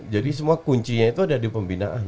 jadi semua kuncinya itu ada di pembinaan